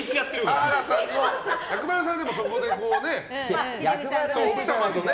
薬丸さんは、そこで奥様とね。